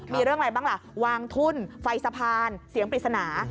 มีเรื่องอะไรบ้างล่ะวางทุ่นไฟสะพานเสียงปริศนา